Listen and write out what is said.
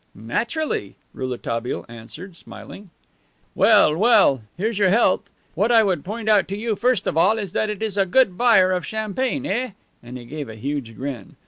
"Naturally," Rouletabille answered, smiling. "Well, well, here's your health! What I would point out to you first of all is that it is a good buyer of champagne, eh?" and he gave a huge grin.